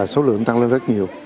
số lượng tăng lên rất nhiều